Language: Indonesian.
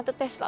lu denger ya